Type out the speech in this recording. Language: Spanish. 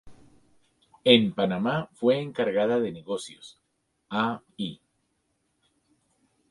En Panamá fue Encargada de Negocios, a.i.